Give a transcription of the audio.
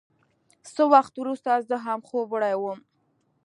څه وخت وروسته زه هم خوب وړی وم.